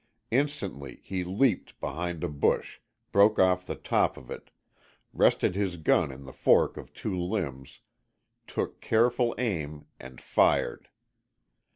Instantly he leaped behind a bush, broke off the top of it, rested his gun in the fork of two limbs, took careful aim and fired.